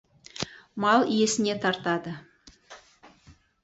Мал иесіне тартады.